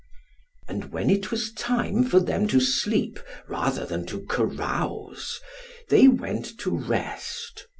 And when it was time for them to sleep rather than to carouse, they went to rest.